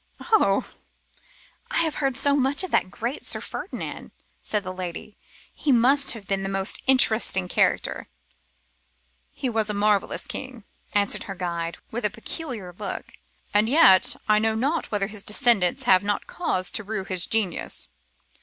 'Oh! I have heard so much of that great Sir Ferdinand,' said the lady. 'He must have been the most interesting character.' 'He was a marvellous being,' answered her guide, with a peculiar look, 'and yet I know not whether his descendants have not cause to rue his genius.